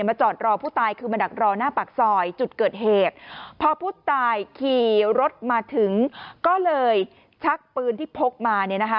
จอดรอผู้ตายคือมาดักรอหน้าปากซอยจุดเกิดเหตุพอผู้ตายขี่รถมาถึงก็เลยชักปืนที่พกมาเนี่ยนะคะ